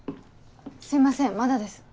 すいませんまだです。